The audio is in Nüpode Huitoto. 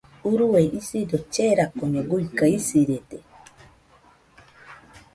Urue isido cherakoño guiga , isirede.